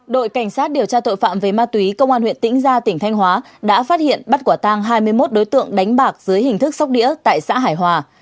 đội cảnh sát điều tra tội phạm về ma túy công an huyện tĩnh gia tỉnh thanh hóa đã phát hiện bắt quả tang hai mươi một đối tượng đánh bạc dưới hình thức sóc đĩa tại xã hải hòa